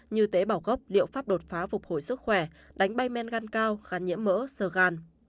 như tế bảo gốc liệu pháp đột phá phục hồi sức khỏe đánh bay men gan cao gắn nhiễm mỡ sờ gan